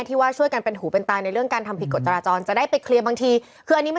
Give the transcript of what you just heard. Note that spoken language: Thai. พี่กำลังคิดว่าเราได้คลิปกว่าหมื่น